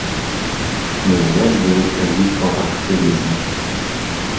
Нельзя сделать прививку от алкоголизма.